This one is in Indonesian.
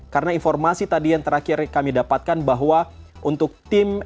karena informasi tadi yang terakhir kami dapatkan bahwa untuk tim evakuasi